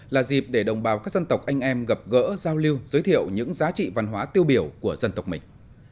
là dịp để đồng bào các dân tộc anh em gặp gỡ giao lưu giới thiệu những giá trị văn hóa tiêu biểu của dân tộc mình